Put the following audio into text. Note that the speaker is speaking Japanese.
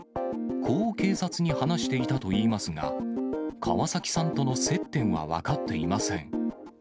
こう警察に話していたといいますが、川崎さんとの接点は分かっていません。